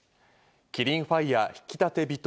「キリンファイア挽きたて微糖」